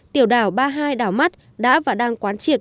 tiểu đảo ba mươi hai đảo mắt đã và đang quán triệt